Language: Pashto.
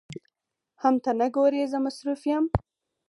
حم ته نه ګورې زه مصروف يم.